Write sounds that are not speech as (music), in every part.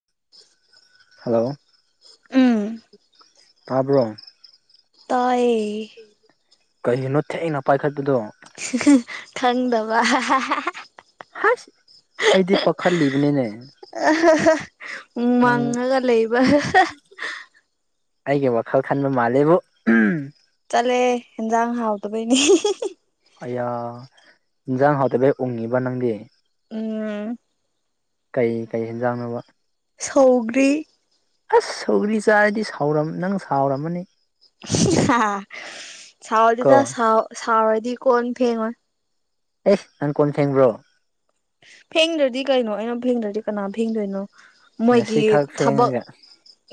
(unintelligible) Hello ꯎꯝ ꯇꯥꯕ꯭ꯔꯣ ꯇꯥꯏꯌꯦ ꯀꯩꯒꯤꯅꯣ ꯊꯦꯡꯅ ꯄꯥꯏꯈꯠꯄꯗꯣ ꯍꯤ ꯍ ꯈꯪꯗꯕ ꯍꯥ ꯍꯥ ꯍꯥ ꯍꯥ ꯍꯥꯏꯁ ꯑꯩꯗꯤ ꯄꯥꯈꯠꯂꯤꯕꯅꯤꯅꯦ (unintelligible) ꯅꯪ ꯃꯪꯉꯒ ꯂꯩꯕ ꯍ ꯍ ꯑꯩꯒꯤ ꯋꯥꯈꯜ ꯈꯟꯕ ꯃꯥꯜꯂꯦꯕꯨ ꯎꯝ ꯆꯂꯣꯋꯦ ꯍꯤꯟꯖꯥꯡ ꯍꯥꯎꯇꯕꯩꯅꯦ ꯍꯤ ꯍꯤ ꯍꯤ ꯑꯌꯥ ꯏꯟꯖꯥꯡ ꯍꯥꯎꯇꯕꯩ ꯎꯡꯉꯤꯕ ꯅꯪꯗꯤ ꯎꯝ ꯀꯩ ꯀꯩ ꯍꯦꯟꯖꯥꯡꯅꯣꯕ ꯁꯧꯒ꯭ꯔꯤ ꯑꯁ ꯁꯧꯒ꯭ꯔꯤ ꯆꯥꯔꯗꯤ ꯁꯥꯎꯔꯝ ꯅꯪ ꯁꯥꯎꯔꯝꯃꯅꯤ ꯍꯥ ꯍꯥ ꯁꯥꯎꯗꯦꯗ ꯀꯣ ꯁꯥꯎꯔꯗꯤ ꯀꯣꯟ ꯐꯦꯡꯉꯣꯏ ꯑꯦ ꯅꯪ ꯀꯣꯟ ꯐꯦꯡꯕ꯭ꯔꯣ ꯐꯦꯡꯗ꯭ꯔꯗꯤ ꯀꯩꯅꯣ ꯑꯩꯅ ꯐꯦꯡꯗ꯭ꯔꯗꯤ ꯀꯅꯥꯟ ꯐꯦꯡꯗꯣꯏꯅꯣ ꯃꯣꯏꯒꯤ ꯉꯁꯤ ꯈꯛ ꯊꯥꯕꯛ ꯐꯦꯡꯉꯒ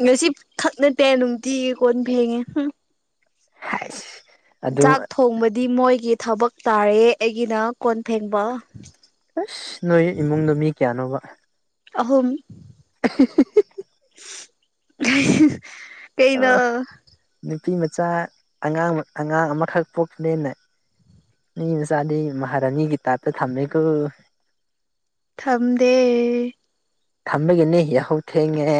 ꯉꯁꯤ ꯈꯛ ꯅꯠꯇꯦ ꯅꯨꯡꯇꯤꯒꯤ ꯀꯣꯟ ꯐꯦꯡꯉꯦ ꯍꯝ ꯍꯥꯏꯁ ꯑꯗꯨ ꯆꯥꯛ ꯊꯣꯡꯕꯗꯤ ꯃꯣꯏꯒꯤ ꯊꯕꯛ ꯇꯥꯔꯦ ꯑꯩꯒꯤꯅ ꯀꯣꯟ ꯐꯦꯡꯕ ꯑꯁ ꯅꯣꯏ ꯏꯃꯨꯡꯗ ꯃꯤ ꯀꯌꯥꯅꯣꯕ ꯑꯍꯨꯝ (unintelligible) ꯀꯩꯕꯣ ꯑꯣ ꯅꯨꯄꯤ ꯃꯆꯥ ꯑꯉꯥꯡ ꯑꯉꯥꯡ ꯑꯃꯈꯛ ꯄꯣꯛꯄꯅꯤꯅ ꯃꯤ ꯆꯥꯗꯤ ꯃꯍꯥꯔꯥꯅꯤꯒꯤ ꯇꯞꯇ ꯊꯝꯃꯦꯀꯣ ꯊꯝꯗꯦ ꯊꯝꯕꯒꯤꯅꯤ ꯌꯥꯍꯧ ꯊꯦꯡꯉꯦ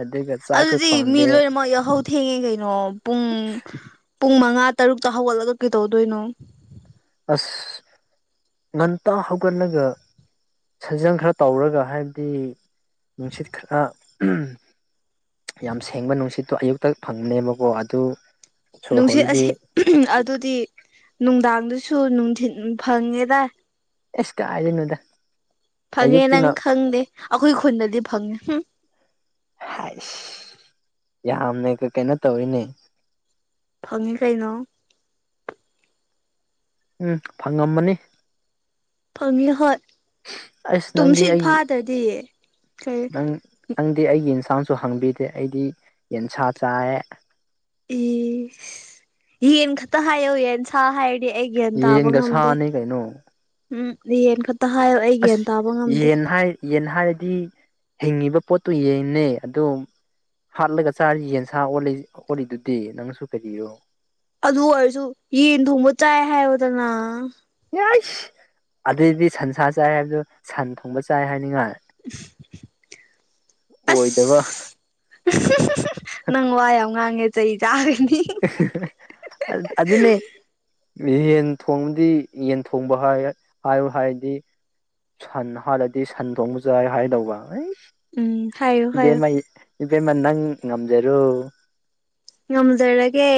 ꯑꯗꯨꯒ ꯆꯥꯛꯁꯨ ꯑꯗꯨꯗꯤ ꯃꯤ ꯊꯣꯡꯗꯦ ꯂꯣꯏꯅꯃꯛ ꯌꯥꯎꯍꯧ ꯊꯦꯡꯉꯦ ꯀꯩꯅꯣ ꯄꯨꯡ ꯄꯨꯡ ꯃꯉꯥ ꯇꯔꯨꯛꯇ ꯍꯧꯒꯠꯂꯒ ꯀꯩꯇꯧꯗꯣꯏꯅꯣ ꯑꯁ ꯉꯟꯇꯥ ꯍꯧꯒꯠꯂꯒ ꯁꯥꯖꯦꯟ ꯈꯔ ꯇꯧꯔꯒ ꯍꯥꯏꯕꯗꯤ ꯅꯨꯡꯁꯤꯠ ꯈꯔ ꯌꯥꯝ ꯁꯦꯡꯕ ꯅꯨꯡꯁꯤꯠꯇꯣ ꯑꯌꯨꯛꯇ ꯐꯪꯅꯦꯕ ꯀꯣ ꯑꯗꯨ ꯁꯣꯔ ꯅꯨꯡꯁꯤꯠ ꯍꯣꯜꯂꯗꯤ ꯑꯁꯦ ꯑꯗꯨꯗꯤ ꯅꯨꯡꯗꯥꯡꯗꯨꯁꯨ ꯅꯨꯡꯊꯤꯟ ꯐꯪꯉꯦꯗꯏ ꯑꯦꯁ ꯀꯥꯏꯗꯩꯅꯣꯗ ꯐꯪꯉꯦ ꯅꯪ ꯑꯌꯨꯛꯇꯨꯅ ꯈꯪꯗꯦ ꯑꯩꯈꯣꯏ ꯈꯨꯟꯗꯗꯤ ꯐꯪꯉꯦ ꯍꯝ ꯍꯥꯏꯁ ꯌꯥꯝꯅꯒ ꯀꯩꯅꯣ ꯇꯧꯌꯦꯅꯦ ꯐꯪꯉꯤ ꯀꯩꯅꯣ ꯎꯝ ꯐꯪꯉꯃꯅꯤ ꯐꯪꯉꯤ ꯍꯣꯏ ꯑꯁ ꯅꯪꯗꯤ ꯇꯨꯝꯁꯤꯠ ꯑꯩ ꯐꯥꯗ꯭ꯔꯗꯤ ꯀꯔꯤ ꯅꯪ ꯅꯪꯗꯤ ꯑꯩꯒꯤ ꯌꯦꯟꯁꯥꯡꯁꯨ ꯍꯪꯕꯤꯗꯦ ꯑꯩꯗꯤ ꯌꯦꯟꯁꯥ ꯆꯥꯏꯌꯦ ꯏꯁ ꯌꯦꯟ ꯈꯛꯇ ꯍꯥꯏꯌꯣ ꯌꯦꯟꯁ ꯁꯥ ꯍꯥꯏꯔꯗꯤ ꯑꯩ ꯒ꯭ꯌꯥꯟ ꯇꯥꯕ ꯌꯦꯟꯒ ꯉꯝꯗꯦ ꯁꯥꯅꯤ ꯀꯩꯅꯣ ꯎꯝ ꯌꯦꯟ ꯈꯛ ꯇ ꯍꯥꯏꯌꯣ ꯑꯩ ꯒ꯭ꯌꯥꯟ ꯑꯁ ꯇꯥꯕ ꯉꯝꯗꯦ ꯌꯦꯟ ꯍꯥꯏ ꯌꯦꯟ ꯍꯥꯏꯔꯗꯤ ꯍꯤꯡꯉꯤꯕ ꯄꯣꯠꯇꯨ ꯌꯦꯟꯅꯦ ꯑꯗꯣ ꯍꯥꯠꯂꯒ ꯆꯥꯔꯤ ꯌꯦꯟꯁ ꯑꯣꯜꯂꯤꯗꯨꯗꯤ ꯅꯪꯁꯨ ꯀꯔꯤꯔꯣ ꯑꯗꯨ ꯑꯣꯏꯔꯁꯨ ꯌꯦꯟ ꯊꯣꯡꯕ ꯆꯥꯏ ꯍꯥꯏꯌꯣꯗꯅ ꯌꯥꯏꯁ ꯑꯗꯣꯏꯗꯤ ꯁꯟꯁꯥ ꯆꯥꯏ ꯍꯥꯏꯕꯗꯣ ꯁꯟ ꯊꯣꯡꯕ ꯆꯥꯏ ꯍꯥꯏꯅꯤꯉꯥꯏ ꯑꯣꯏꯗꯕ ꯑꯁ (unintelligible) ꯅꯪ ꯋꯥ ꯌꯥꯝ ꯉꯥꯡꯉꯦ ꯆꯩ ꯆꯥꯒꯅꯤ ꯑꯗꯨꯅꯦ ꯌꯦꯟ ꯊꯣꯡꯕꯗꯤ ꯌꯦꯟ ꯊꯣꯡꯕ ꯍꯥꯏ ꯍꯥꯏꯌꯨ ꯍꯥꯏꯗꯤ ꯁꯟ ꯍꯥꯏꯔꯗꯤ ꯁꯟ ꯊꯣꯡꯕ ꯆꯥꯏ ꯍꯥꯏꯗꯧꯕ ꯑꯩꯁ ꯎꯝ ꯍꯥꯏꯌꯨ ꯍꯥꯏꯌꯨ ꯏꯕꯦꯝꯃ ꯏꯕꯦꯝꯃ ꯅꯪ ꯉꯝꯖꯔꯣ ꯉꯝꯖꯔꯒꯦ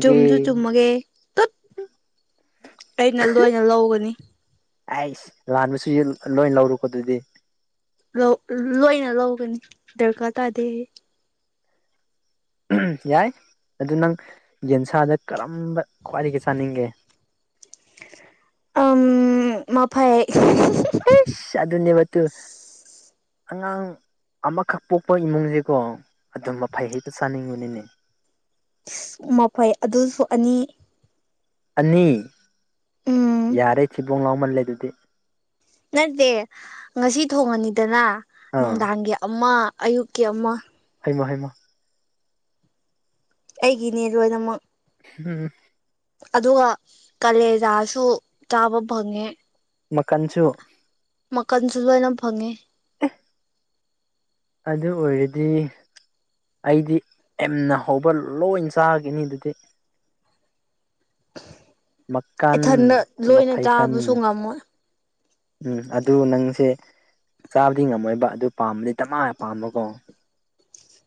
ꯆꯨꯝꯁꯨ ꯆꯨꯝꯃꯒꯦ ꯇꯨꯠ ꯑ ꯑꯩꯅ ꯂꯣꯏꯅ ꯂꯧꯒꯅꯤ ꯑꯩꯁ ꯂꯥꯟꯕꯁꯤꯁꯨ ꯂꯣꯏ ꯂꯧꯔꯣꯀꯣ ꯑꯗꯨꯗꯤ ꯂꯧ ꯂꯣꯏꯅ ꯂꯧꯒꯅꯤ ꯗꯔꯀꯥꯔ ꯇꯥꯗꯦ ꯌꯥꯏ ꯑꯗꯨ ꯅꯪ ꯌꯦꯟꯁꯥꯗ ꯀꯔꯝꯕ ꯈ꯭ꯋꯥꯏꯗꯒꯤ ꯆꯥꯅꯤꯡꯒꯦ ꯑꯝ ꯃꯐꯩ ꯑꯩꯁ ꯑꯗꯨ ꯅꯦꯕꯇꯨ ꯑꯉꯥꯡ ꯑꯃꯈꯛ ꯄꯣꯛꯄ ꯏꯃꯨꯡꯁꯤꯀꯣ ꯑꯗꯨꯝ ꯃꯐꯩ ꯍꯩꯛꯇ ꯆꯥꯅꯤꯡꯕꯅꯤꯅꯦ ꯏꯁ ꯃꯐꯩ ꯑꯗꯨꯁꯨ ꯑꯅꯤ ꯑꯅꯤ ꯎꯝ ꯌꯥꯔꯦ ꯊꯤꯕꯣꯡ ꯂꯥꯎꯃꯜꯂꯦ ꯑꯗꯨꯗꯤ ꯅꯠꯇꯦ ꯉꯁꯤ ꯊꯣꯡꯉꯅꯤꯗꯅ ꯑꯥ ꯅꯨꯡꯗꯥꯡꯒꯤ ꯑꯃꯥ ꯑꯌꯨꯛꯀꯤ ꯑꯃꯥ ꯍꯩꯃ ꯍꯩꯃ ꯑꯩꯒꯤꯅꯦ ꯂꯣꯏꯅꯃꯛ ꯎꯝ ꯑꯗꯨꯒ ꯀꯂꯦꯖꯥꯁꯨ ꯆꯥꯕ ꯐꯪꯉꯦ ꯃꯀꯟꯁꯨ ꯃꯀꯟꯁꯨ ꯂꯣꯏꯅ ꯐꯪꯉꯦ ꯑꯦ ꯑꯗꯨ ꯑꯣꯏꯔꯗꯤ ꯑꯩꯗꯤ ꯑꯦꯝꯅ ꯍꯧꯕ ꯂꯣꯏ ꯆꯥꯈꯤꯅꯤ ꯑꯗꯨꯗꯤ ꯃꯀꯟ ꯏꯊꯟꯗ ꯂꯣꯏꯅ ꯃꯐꯩꯒꯟ ꯆꯥꯕꯁꯨ ꯉꯝꯃꯣꯏ ꯎꯝ ꯑꯗꯨ ꯅꯪꯁꯦ ꯆꯥꯕꯗꯤ ꯉꯝꯃꯣꯏꯕ ꯑꯗꯨ ꯄꯥꯝꯕꯗꯤ ꯗꯃꯥ ꯄꯥꯝꯕꯀꯣ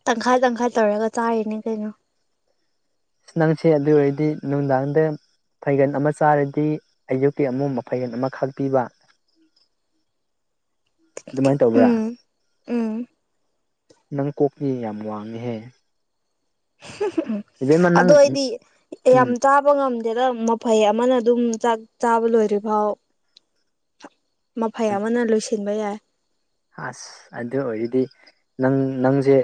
ꯇꯪꯈꯥꯏ ꯇꯪꯈꯥꯏ ꯇꯧꯔꯒ ꯆꯥꯔꯤꯅꯦ ꯀꯩꯅꯣ ꯅꯪꯁꯦ ꯑꯗꯨ ꯑꯣꯏꯔꯗꯤ ꯅꯨꯡꯗꯥꯡꯗ ꯐꯩꯒꯜ ꯑꯃꯥ ꯆꯥꯔꯗꯤ ꯑꯌꯨꯛꯀꯤ ꯑꯃꯨꯛ ꯃꯐꯩꯒꯜ ꯑꯃꯥ ꯈꯥꯛꯄꯤꯕ ꯑꯗꯨꯃꯥꯏ ꯇꯧꯕ꯭ꯔꯥ ꯎꯝ ꯎꯝ ꯅꯪ ꯀꯣꯛꯇꯤ ꯌꯥꯝ ꯋꯥꯡꯉꯦꯍꯦ ꯎꯝ ꯏꯕꯦꯝꯃ ꯅꯪ ꯑꯗꯣ ꯑꯩꯗꯤ ꯌꯥꯝ ꯎꯝ ꯆꯥꯕ ꯉꯝ ꯗꯦꯗꯥ ꯃꯐꯩ ꯑꯃꯅ ꯑꯗꯨꯝ ꯆꯥꯛ ꯆꯥꯕ ꯂꯣꯏꯗ꯭ꯔꯤ ꯐꯥꯎ ꯃꯐꯩ ꯑꯃꯅ ꯂꯣꯏꯁꯤꯟꯕ ꯌꯥꯏ ꯑꯁ ꯑꯗꯨ ꯑꯣꯏꯔꯗꯤ ꯅꯪ ꯅꯪꯁꯦ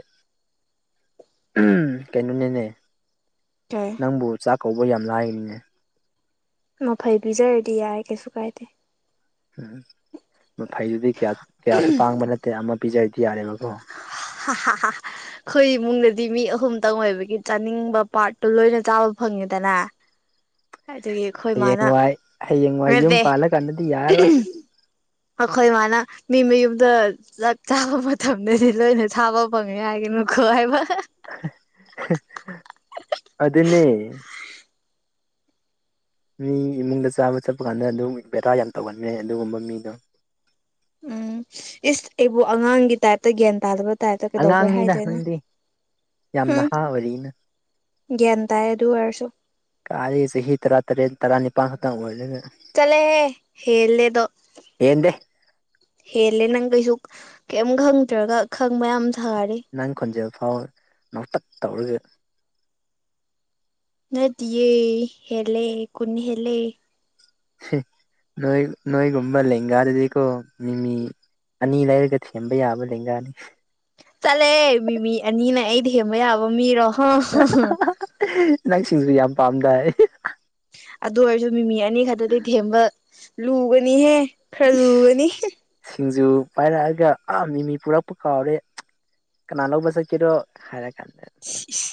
ꯎꯝ ꯀꯩꯅꯣꯅꯤꯅꯦ ꯀꯩ ꯅꯪꯕꯨ ꯆꯥꯛ ꯀꯧꯕ ꯌꯥꯝ ꯂꯥꯏꯒꯅꯤꯅꯦ ꯃꯐꯩ ꯄꯤꯖꯔꯗꯤ ꯌꯥꯔꯦ ꯀꯩꯁꯨ ꯀꯥꯏꯗꯦ ꯎꯝ ꯃꯐꯩꯗꯨꯗꯤ ꯀꯌꯥ ꯀꯌꯥꯁꯨ ꯇꯥꯡꯕ ꯅꯠꯇꯦ ꯑꯃ ꯄꯤꯖꯔꯗꯤ ꯌꯥꯔꯦꯕꯀꯣ ꯍꯥ ꯍꯥ ꯍꯥ ꯑꯩꯈꯣꯏ ꯏꯃꯨꯡꯗꯗꯤ ꯃꯤ ꯑꯍꯨꯝꯇꯪ ꯑꯣꯏꯕꯒꯤ ꯆꯥꯅꯤꯡꯕ ꯄꯥꯔꯠꯇꯣ ꯂꯣꯏꯅ ꯆꯥꯕ ꯐꯪꯉꯦꯗꯅ ꯑꯗꯨꯒꯤ ꯑꯩꯈꯣꯏ ꯃꯥꯅ ꯍꯌꯦꯡꯋꯥꯏ ꯍꯌꯦꯡꯋꯥꯏ ꯌꯨꯝ ꯅꯠꯇꯦ ꯄꯥꯜꯂ ꯀꯥꯟꯗꯗꯤ ꯌꯥꯔꯔꯣꯏ ꯑꯩꯈꯣꯏ ꯃꯥꯅ ꯃꯤ ꯃꯌꯨꯝꯗ ꯆꯥꯛ ꯆꯥꯕ ꯃꯇꯝꯗꯗꯤ ꯂꯣꯏꯅ ꯆꯥꯕ ꯐꯪꯉꯦ ꯍꯥꯏꯒꯅꯨꯀꯣ ꯍꯥꯏꯕ ꯑꯗꯨꯅꯦ ꯃꯤ ꯏꯃꯨꯡꯗ ꯆꯥꯕ ꯆꯠꯄ ꯀꯥꯟꯗ ꯑꯗꯨꯝ ꯕꯦꯔꯥ ꯌꯥꯝ ꯇꯧꯒꯟꯕꯅꯦ ꯑꯗꯨꯒꯨꯝꯕ ꯃꯤꯗꯣ ꯎꯝ ꯏꯁ ꯑꯩꯕꯨ ꯑꯉꯥꯡꯒꯤ ꯇꯥꯏꯞꯇ ꯒ꯭ꯌꯥꯟ ꯇꯥꯗꯕ ꯇꯥꯏꯞꯇ ꯀꯩꯗꯧꯕꯩ ꯑꯉꯥꯡꯅꯤꯗ ꯍꯥꯏꯗꯣꯏꯅꯣ ꯅꯪꯗꯤ ꯌꯥꯝ ꯍꯝ ꯅꯍꯥ ꯑꯣꯏꯔꯤꯅ ꯒ꯭ꯌꯥꯟ ꯇꯥꯏ ꯑꯗꯨ ꯑꯣꯏꯔꯁꯨ ꯀꯥꯔꯤ ꯆꯍꯤ ꯇꯔꯥꯇꯔꯦꯠ ꯇꯔꯥꯅꯤꯄꯥꯜ ꯈꯛꯇꯪ ꯑꯣꯏꯔꯒ ꯆꯠꯂꯣꯍꯦ ꯍꯦꯜꯂꯦ ꯗꯣ ꯍꯦꯟꯗꯦ ꯍꯦꯜꯂꯦ ꯅꯪ ꯀꯩꯁꯨ ꯀꯩꯝ ꯈꯪꯗ꯭ꯔꯒ ꯈꯪꯕ ꯌꯥꯝ ꯁꯥꯔꯦ ꯅꯪ ꯈꯣꯟꯖꯦꯜ ꯐꯥꯎ ꯅꯣꯛꯇꯛ ꯇꯧꯔꯒ ꯅꯠꯇꯤꯌꯦ ꯍꯦꯜꯂꯦ ꯀꯨꯟ ꯍꯦꯜꯂꯦ ꯅꯣꯏ ꯅꯣꯏꯒꯨꯝꯕ ꯂꯦꯡꯒꯥꯗꯗꯤꯀꯣ ꯃꯤꯃꯤ ꯑꯅꯤ ꯂꯩꯔꯒ ꯊꯦꯝꯕ ꯌꯥꯕ ꯂꯦꯡꯒꯥꯅꯤ ꯆꯠꯂꯦ ꯃꯤꯃꯤ ꯑꯅꯤꯅ ꯑꯩꯗꯤ ꯍꯦꯝꯕ ꯌꯥꯕ ꯃꯤꯔꯣ ꯍꯥ ꯍꯥ ꯍꯥ ꯅꯪ ꯁꯤꯡꯖꯨ ꯌꯥꯝ ꯄꯥꯝꯗꯥꯏ ꯑꯗꯨ ꯑꯣꯏꯔꯁꯨ ꯃꯤꯃꯤ ꯑꯅꯤ ꯈꯛꯇꯗꯤ ꯊꯦꯝꯕ ꯂꯨꯒꯅꯤꯍꯦ ꯈꯔ ꯂꯨꯒꯅꯤ ꯍꯨꯝ ꯁꯤꯡꯖꯨ ꯄꯥꯏꯔꯛꯑꯒ ꯑꯥ ꯃꯤꯃꯤ ꯄꯨꯔꯛꯄ ꯀꯥꯎꯔꯦ ꯀꯅꯥ ꯂꯧꯕ ꯆꯠꯀꯦꯔꯣ ꯍꯥꯏꯔ ꯀꯥꯟꯗ ꯁꯤꯁꯤ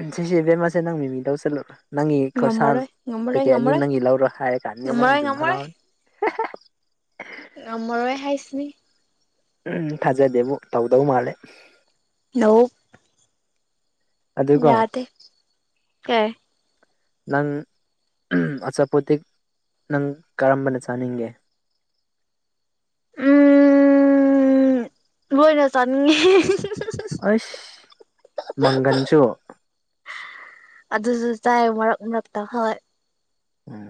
ꯎꯝ ꯁꯦꯁꯦ ꯏꯕꯦꯝꯃꯥꯁꯦ ꯅꯪ ꯃꯤꯃꯤ ꯂꯧꯁꯤꯜꯂꯨ ꯅꯪꯒꯤ ꯈꯣꯔꯁꯥꯟ ꯉꯝꯃꯔꯣꯏ ꯉꯝꯃꯔꯣꯏ ꯄꯦꯛꯀꯦꯠ ꯑꯅꯤ ꯉꯝꯃꯔꯣꯏ ꯅꯪꯒꯤ ꯂꯧꯔ ꯍꯥꯏꯔ ꯀꯥꯟꯗ ꯅꯪ ꯉꯝꯃꯔꯣꯏ ꯑꯗꯨꯝ ꯉꯝꯃꯔꯣꯏ ꯍꯔꯥꯎꯅꯤ ꯉꯝꯃꯔꯣꯏ ꯍꯥꯏꯁꯤꯅꯤ ꯎꯝ ꯊꯥꯖꯗꯦꯕꯨ ꯇꯧꯗꯧ ꯃꯥꯜꯂꯦ ꯂꯧ ꯑꯗꯨꯒ ꯌꯥꯗꯦ ꯀꯦ ꯅꯪ ꯑꯆꯥꯄꯣꯠꯇꯤꯛ ꯅꯪ ꯀꯔꯝꯕꯅ ꯆꯥꯅꯤꯡꯒꯦ ꯎꯝ ꯂꯣꯏꯅ ꯆꯅꯤꯡꯉꯤ ꯑꯩꯁ ꯃꯪꯒꯟꯁꯨ ꯑꯗꯨꯁꯨ ꯆꯥꯏ ꯃꯔꯛ ꯃꯔꯛꯇ ꯍꯣꯏ ꯎꯝ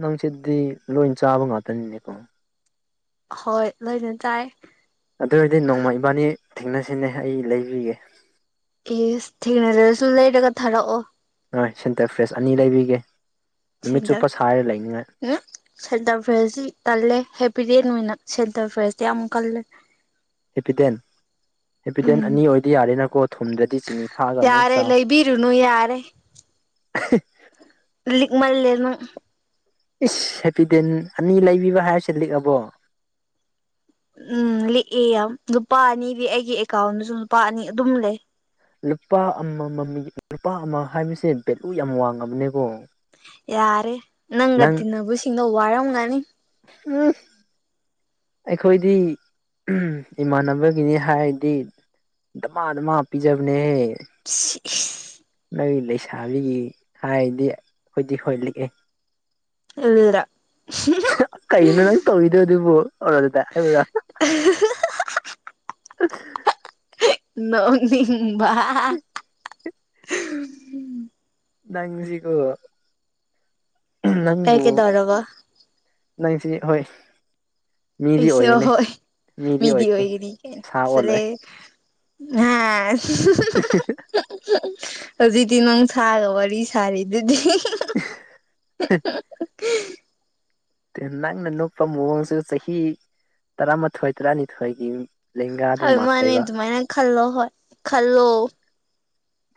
ꯅꯪꯁꯤ ꯗꯤ ꯂꯣꯏꯟ ꯆꯥꯕ ꯉꯥꯛꯇꯅꯤꯅꯦꯀꯣ ꯍꯣꯏ ꯂꯣꯏꯅ ꯆꯥꯏ ꯑꯗꯨ ꯑꯣꯏꯔꯗꯤ ꯅꯣꯡꯃ ꯏꯕꯥꯅꯤ ꯊꯦꯡꯅꯁꯤꯅꯦ ꯑꯩ ꯂꯩꯕꯤꯒꯦ ꯑꯁ ꯊꯦꯡꯅꯗ꯭ꯔꯁꯨ ꯂꯩꯔꯒ ꯊꯥꯔꯛꯑꯣ ꯍꯣꯏ ꯁꯦꯟꯇꯔ ꯐ꯭ꯔꯦꯁ ꯑꯅꯤ ꯂꯩꯕꯤꯒꯦ ꯅꯨꯃꯤꯠ ꯁꯦꯟꯇꯔ ꯆꯨꯞꯄ ꯁꯥꯏꯔ ꯂꯩꯅꯤꯉꯥꯏ ꯎꯝ ꯁꯦꯟꯇꯔ ꯐ꯭ꯔꯦꯁ ꯁꯤ ꯇꯜꯂꯦ ꯍꯦꯄꯤꯗꯦꯟ ꯑꯣꯏꯅ ꯁꯦꯟꯇꯔ ꯐ꯭ꯔꯦꯁꯇꯤ ꯌꯥꯝ ꯀꯜꯂꯦ ꯍꯦꯄꯤꯗꯦꯟ ꯎꯝ ꯍꯦꯄꯤꯗꯦꯟ ꯑꯅꯤ ꯑꯣꯏꯗꯤ ꯌꯥꯔꯦꯅꯀꯣ ꯊꯨꯝꯗ꯭ꯔꯗꯤ ꯆꯤꯅꯤ ꯊꯥꯛꯑꯒ ꯑꯃꯨꯛ ꯌꯥꯔꯦ ꯆꯥꯎ ꯂꯩꯕꯤꯔꯨꯅꯨ ꯌꯥꯔꯦ ꯂꯤꯛꯃꯜꯂꯦ ꯅꯪ ꯏꯁ ꯍꯦꯄꯤ ꯗꯦꯟ ꯑꯅꯤ ꯂꯩꯕꯤꯕ ꯍꯥꯏꯔꯁꯤ ꯂꯤꯛꯑꯕꯣ ꯎꯝ ꯂꯤꯛꯑꯦ ꯌꯥꯝ ꯅꯨꯄꯥ ꯑꯅꯤꯗꯤ ꯑꯩꯒꯤ ꯑꯦꯀ꯭ꯥꯎ꯭ꯟꯗꯁꯨ ꯂꯨꯄꯥ ꯑꯅꯤ ꯑꯗꯨꯝ ꯂꯩ ꯂꯨꯄꯥ ꯑꯃꯝ ꯃꯝꯒꯤ ꯂꯨꯄꯥ ꯑꯃ ꯍꯥꯏꯕꯁꯦ ꯚꯦꯂꯨ ꯌꯥꯝ ꯋꯥꯡꯉꯃꯕꯅꯦꯀꯣ ꯌꯥꯔꯦ ꯅꯪꯒ ꯇꯤꯟꯅꯕꯁꯤꯡꯅꯣ ꯋꯥꯔꯝꯒꯅꯤ ꯎꯝ ꯑꯩꯈꯣꯏꯗꯤ ꯏꯃꯥꯟꯅꯕꯒꯤꯅꯤ ꯍꯥꯏꯔꯗꯤ ꯗꯃꯥ ꯗꯃꯥ ꯄꯤꯖꯕꯅꯦꯍꯦ ꯁꯤ ꯏꯁ ꯅꫭꯏ ꯂꯩꯁꯥꯕꯤꯒꯤ ꯍꯥꯏꯗꯤ ꯑꯩꯈꯣꯏꯗꯤ ꯍꯣꯏ ꯂꯤꯛꯑꯦ (unintelligible) ꯀꯩꯒꯤꯅꯣ ꯅꯪ ꯇꯧꯔꯤꯗꯣꯏ ꯑꯗꯨꯕꯨ ꯑꯗꯨꯗ ꯍꯥꯢꯌꯣꯔꯣ (unintelligible) (unintelligible) ꯅꯣꯛꯅꯤꯡꯕ (unintelligible) ꯅꯪꯁꯤꯀꯣ ꯎꯝ ꯀꯩ ꯅꯪꯕꯨ ꯀꯩꯗꯧꯔꯕ ꯅꯪꯁꯤ ꯍꯣꯏ ꯃꯤꯗꯤ ꯑꯩꯁꯦ ꯑꯣꯏꯒꯅꯤ ꯍꯣꯏ ꯃꯤꯗꯤ ꯑꯣꯏꯒꯅꯤ ꯁꯥ ꯆꯠꯂꯦ ꯑꯣꯜꯂꯣꯏ ꯅꯥ (unintelligible) (unintelligible) ꯍꯧꯖꯤꯛꯇꯤ ꯅꯪ ꯁꯥꯢꯒ ꯋꯥꯔꯤ ꯁꯥꯔꯤꯗꯨꯗꯤ ꯅꯪꯅ ꯅꯣꯛꯄ ꯃꯑꯣꯡꯁꯦ ꯆꯍꯤ ꯇꯔꯥꯃꯥꯊꯣꯏ ꯇꯔꯥꯅꯤꯊꯣꯏꯒꯤ ꯂꯦꯡꯒꯥꯗꯣ ꯍꯣꯏ ꯃꯥꯅꯦ ꯃꯥꯜꯂꯦꯕ ꯑꯗꯨꯃꯥꯏꯅ ꯈꯜꯂꯣ ꯍꯣꯢ ꯈꯜꯂꯣ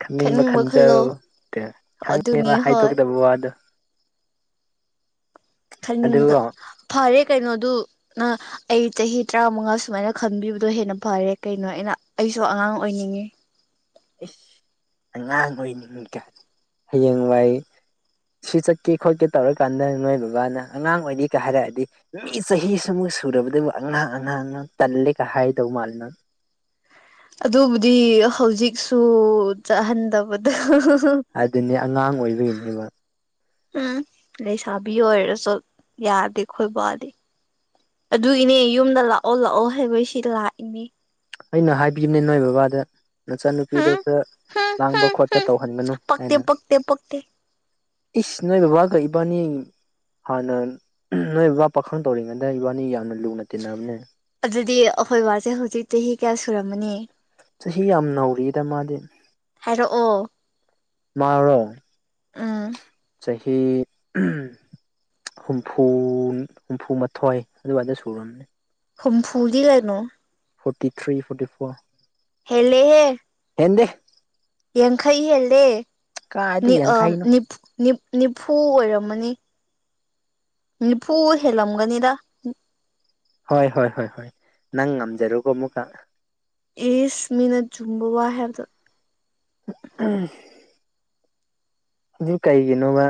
ꯈꯟꯅꯤꯡꯕ ꯈꯟꯖꯧ ꯑꯗꯨꯅꯤ ꯈꯪꯉꯦꯕ ꯍꯣꯏ ꯍꯥꯏꯗꯣꯛꯇꯥꯕ ꯋꯥꯗꯣ ꯈꯪꯅꯤꯡꯕ ꯑꯗꯨꯒ ꯐꯔꯦ ꯀꯩꯅꯣꯗꯨ ꯅꯪ ꯑꯩ ꯆꯍꯤ ꯇꯔꯥꯃꯉꯥ ꯁꯨꯃꯥꯏꯅ ꯈꯟꯕꯤꯕꯗꯣ ꯍꯦꯟꯅ ꯐꯔꯦ ꯀꯩꯅꯣ ꯑꯩꯅ ꯑꯩꯁꯨ ꯑꯉꯥꯡ ꯑꯣꯏꯅꯤꯡꯉꯤ ꯏꯁ ꯑꯉꯥꯡ ꯑꯣꯏꯅꯤꯡ ꯀꯥꯢ ꯍꯌꯦꯡꯋꯥꯏ ꯁꯤ ꯆꯠꯀꯦ ꯈꯣꯠꯀꯦ ꯇꯧꯔ ꯀꯥꯟꯗ ꯅꯣꯏ ꯕꯕꯥꯅ ꯑꯉꯥꯡ ꯑꯣꯏꯔꯤꯒ ꯍꯥꯏꯔꯛꯑꯗꯤ ꯃꯤ ꯆꯍꯤ ꯁꯤꯃꯨꯛ ꯁꯨꯔꯕꯗꯕꯨ ꯑꯉꯥꯡ ꯑꯉꯥꯡꯅ ꯇꯜꯂꯦꯒ ꯍꯥꯏꯗꯧ ꯃꯥꯜꯂꯦ ꯅꯪ ꯑꯗꯨꯕꯨꯗꯤ ꯍꯧꯖꯤꯛꯁꯨ ꯆꯠꯍꯟꯗꯕꯗ ꯑꯗꯨꯅꯦ ꯑꯉꯥꯡ ꯑꯣꯏꯕꯒꯤꯅꯦꯕ ꯎꯝ ꯂꯩꯁꯥꯕꯤ ꯑꯣꯏꯔꯁꯨ ꯌꯥꯗꯦ ꯈꯣꯏ ꯕꯥꯗꯤ ꯑꯗꯨꯒꯤꯅꯦ ꯌꯨꯝꯗ ꯂꯥꯛꯑꯣ ꯂꯥꯛꯑꯣ ꯍꯥꯏꯕ ꯁꯤꯗꯥ ꯂꯥꯛꯏꯅꯦ ꯑꯩꯅ ꯍꯥꯏꯕꯤꯕꯅꯦ ꯅꯣꯏ ꯕꯕꯥꯗ ꯅꯆꯥꯅꯨꯄꯤꯗꯣ ꯈꯔ ꯂꯥꯡꯕ ꯈꯣꯠꯄ ꯇꯧꯍꯟꯒꯅꯨ ꯄꯛꯇꯦ ꯍꯥꯏꯅ ꯄꯛꯇꯦ ꯄꯛꯇꯦ ꯏꯁ ꯅꯣꯏ ꯕꯕꯥꯒ ꯏꯕꯥꯟꯅꯤ ꯍꯥꯟꯅ ꯅꯣꯏ ꯕꯕꯥ ꯄꯥꯈꯪ ꯇꯧꯔꯤꯉꯩꯗ ꯏꯕꯥꯟꯅꯤ ꯌꯥꯝꯅ ꯂꯨꯅ ꯇꯤꯟꯅꯕꯅꯦ ꯑꯗꯨꯗꯤ ꯑꯩꯈꯣꯏ ꯕꯥꯁꯦ ꯍꯧꯖꯤꯛ ꯆꯍꯤ ꯀꯌꯥ ꯁꯨꯔꯝꯃꯅꯤ ꯆꯍꯤ ꯌꯥꯝ ꯅꯧꯔꯤꯗ ꯃꯥꯗꯤ ꯍꯥꯏꯔꯛꯑꯣ ꯃꯥꯔꯣ ꯎꯝ ꯆꯍꯤ ꯎꯝ ꯍꯨꯝꯐꯨ ꯍꯨꯝꯐꯨꯃꯥꯊꯣꯏ ꯑꯗꯨꯋꯥꯏꯗ ꯁꯨꯔꯝꯅꯤ ꯍꯨꯝꯐꯨꯗꯤ ꯀꯩꯅꯣ ꯐꯣꯔꯇꯤ ꯊ꯭ꯔꯤ ꯐꯣꯔꯇꯤ ꯐꯣꯔ ꯍꯦꯜꯂꯦꯍꯦ ꯍꯦꯟꯗꯦ ꯌꯥꯡꯈꯩ ꯍꯦꯜꯂꯦ ꯀꯥꯏꯗꯤ ꯑꯥ ꯌꯥꯡꯈꯩꯅꯣ ꯅꯤ ꯅꯤꯝ ꯅꯤꯐꯨ ꯑꯣꯏꯔꯝꯃꯅꯤ ꯅꯤꯐꯨ ꯍꯦꯜꯂꯝꯒꯅꯤꯗ ꯍꯣꯏ ꯍꯣꯏ ꯍꯣꯏ ꯍꯣꯏ ꯅꯪ ꯉꯝꯖꯔꯣꯀꯣ ꯑꯃꯨꯛꯀ ꯑꯦꯁ ꯃꯤꯅ ꯆꯨꯝꯕ ꯋꯥ ꯍꯥꯏꯕꯗꯣ ꯎꯝ ꯑꯗꯨ ꯀꯩꯒꯤꯅꯣꯕ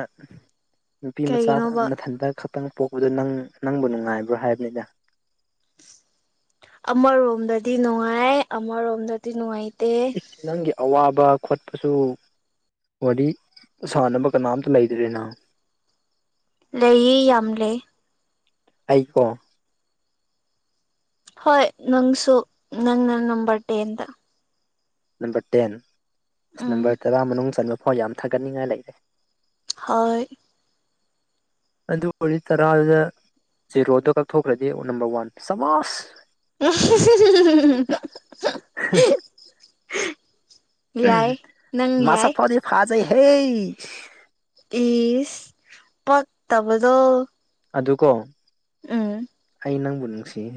ꯅꯨꯄꯤ ꯃꯆꯥ ꯀꯩꯒꯤꯅꯣꯕ ꯃꯊꯟꯇ ꯈꯛꯇꯪ ꯄꯣꯛꯄꯗꯣ ꯅꯪ ꯅꯪꯕꯨ ꯅꯨꯡꯉꯥꯏꯕ꯭ꯔꯣ ꯍꯥꯏꯕꯅꯤꯗ꯫ ꯑꯃꯔꯣꯝꯗꯗꯤ ꯅꯨꯡꯉꯥꯑꯦ ꯑꯃꯔꯣꯝꯗꯗꯤ ꯅꯨꯡꯉꯥꯏꯇꯦ꯫ ꯅꯪꯒꯤ ꯑꯋꯥꯕ ꯈꯣꯠꯄꯁꯨ꯫ ꯋꯥꯔꯤ ꯁꯥꯟꯅꯕ ꯀꯅꯥꯝꯇ ꯂꯩꯗ꯭ꯔꯦꯅ꯫ ꯂꯩꯌꯦ ꯌꯥꯝ ꯂꯩ꯫ ꯑꯩꯀꯣ꯫ ꯍꯣꯏ ꯅꯪꯁꯨ ꯅꯪꯅ ꯅꯝꯕꯔ ꯇꯦꯟꯗ꯫ ꯅꯝꯕꯔ ꯇꯦꯟ ꯑꯁ ꯅꯝꯕꯔ ꯎꯝ ꯇꯔꯥ ꯃꯅꯨꯡ ꯆꯟꯕ ꯐꯥꯎ ꯌꯥꯝ ꯊꯥꯒꯠꯅꯤꯡꯉꯥꯏ ꯂꯩꯔꯦ꯫ ꯍꯣꯏ꯫ ꯑꯗꯨ ꯑꯣꯏꯔꯗꯤ ꯀꯔꯥꯏꯗ꯫ ꯖꯤꯔꯣꯗꯣ ꯀꯛꯊꯣꯛꯈ꯭ꯔꯗꯤ ꯅꯝꯕꯔ ꯋꯥꯟ ꯁꯃꯥꯁ꯫ (unintelligible) ꯌꯥꯏ ꯅꯪ ꯃꯁꯛ ꯌꯥꯏ꯫ ꯐꯥꯎꯗꯤ ꯐꯥꯖꯩꯍꯦ꯫ ꯏꯁ ꯄꯛꯇꯕꯗꯣ꯫ ꯑꯗꯨꯀꫭ꯫ ꯎꯝ ꯑꯩ ꯅꯪꯕꯨ ꯅꯁꯤꯌꯦ꯫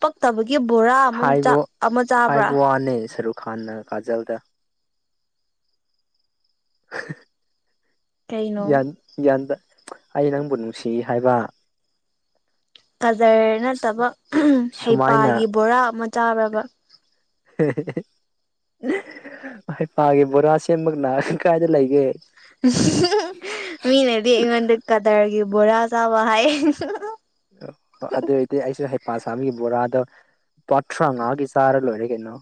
ꯄꯛꯇꯕꯒꯤ ꯕꯣꯔꯥ꯫ ꯑꯃ ꯍꯥꯏꯕ ꯑꯃ ꯆꯥꯕ꯭ꯔꯥ ꯍꯥꯏꯕ ꯋꯥꯅꯦ ꯁꯔꯨꯛ ꯈꯥꯟꯅ ꯀꯥꯖꯜꯗ (unintelligible) ꯀꯩꯅꯣ ꯌꯥꯟ ꯌꯥꯟꯗ ꯑꯩ ꯅꯪꯕꯨ ꯅꯨꯡꯁꯤ ꯍꯥꯏꯕ꯫ ꯀꯗꯔ ꯅꯠꯇꯕ ꯍꯩꯄꯥꯒꯤ ꯁꯨꯃꯥꯏꯅ ꯕꯣꯔꯥ ꯑꯃ ꯆꯥꯕ꯭ꯔꯕ꯫ (unintelligible) ꯍꯩꯄꯥꯒꯤ ꯕꯣꯔꯥ ꯁꯦꯝꯕ ꯀꯅꯥ ꯀꯥꯏꯗ ꯂꯩꯒꯦ꯫ (unintelligible) ꯃꯤꯅꯗꯤ ꯑꯩꯉꯣꯟꯗ ꯀꯗꯔꯒꯤ ꯕꯣꯔꯥ ꯆꯥꯕ ꯍꯥꯏꯌꯦ꯫ ꯑꯣ ꯑꯗꯨ ꯑꯣꯏꯔꯗꯤ ꯑꯩꯁꯨ ꯍꯩꯄꯥ ꯁꯥꯕꯒꯤ ꯕꯣꯔꯥꯗꯣ꯫ ꯄ ꯊ꯭ꯔꯉꯥꯒꯤ ꯆꯥꯔꯦ ꯂꯣꯏꯔꯦ ꯀꯩꯅꯣ꯫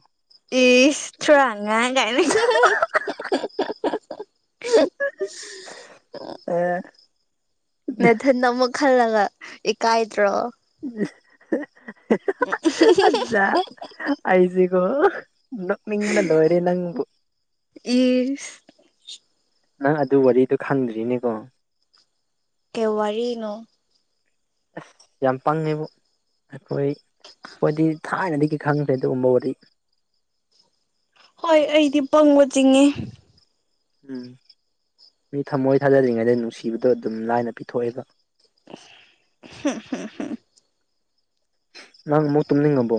ꯏꯁ ꯊ꯭ꯔꯥꯉꯥ ꯀꯥꯏꯅ (unintelligible) (unintelligible) ꯑꯦ꯫ ꯅꯊꯟꯗ ꯑꯃꯨꯛ ꯈꯜꯂꯒ ꯏꯀꯥꯏꯗ꯭ꯔꯣ꯫ (unintelligible) ꯑꯖꯥ꯫ ꯑꯩꯁꯤꯀꯣ ꯅꯣꯛꯅꯤꯡꯕꯅ ꯂꯣꯏꯔꯦ ꯅꯪꯕꯨ꯫ ꯏꯁ꯫ ꯅꯪ ꯑꯗꯨ ꯋꯥꯔꯤꯗꯨ ꯈꯪꯗ꯭ꯔꯤꯅꯦꯀꯣ꯫ ꯀꯦ ꯋꯥꯔꯤꯅꯣ꯫ ꯑꯁ ꯌꯥꯝ ꯄꯪꯉꯦꯕꯣ꯫ ꯑꯩꯈꯣꯏ ꯈꯣꯏꯗꯤ ꯊꯥꯏꯅꯗꯒꯤ ꯈꯪꯈ꯭ꯔꯦ ꯑꯗꯨꯒꯨꯝꯕ ꯋꯥꯔꯤ꯫ ꯍꯣꯏ ꯑꯩꯗꯤ ꯄꯪꯕ ꯆꯤꯡꯉꯦ꯫ ꯃꯤ ꯊꯝꯃꯣꯏ ꯊꯥꯖꯗ꯭ꯔꯤꯉꯩꯗ ꯅꯨꯡꯁꯤꯕꯗꯣ ꯑꯗꯨꯝ ꯂꯥꯏꯅ ꯄꯤꯊꯣꯛꯑꯦꯕ꯫ (unintelligible) ꯅꯪ ꯑꯃꯨꯛ ꯇꯨꯨꯝꯅꯤꯡꯑꯕꯣ꯫